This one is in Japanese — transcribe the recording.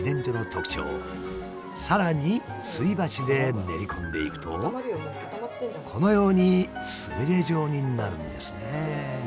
さらにすり鉢で練り込んでいくとこのようにつみれ状になるんですね。